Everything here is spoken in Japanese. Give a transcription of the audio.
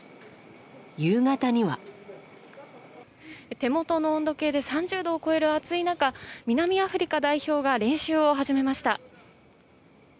手元の温度計で３０度を超える暑い中南アフリカ代表が練習を始めました。